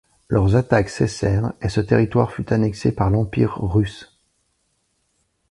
Leurs attaques cessèrent et ce territoire fut annexé par l'Empire russe.